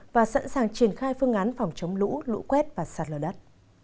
và sẵn sàng triển khai phương án phòng chống lũ lũ quét và sạt lở đất